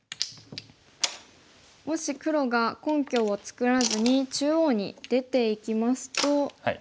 もし黒が根拠を作らずに中央に出ていきますと。